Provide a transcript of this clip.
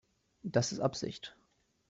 Das ist Absicht.